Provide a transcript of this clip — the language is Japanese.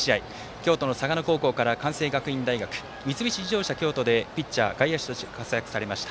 京都の嵯峨野高校から関西学院大学、三菱自動車京都でピッチャー、外野手として活躍されました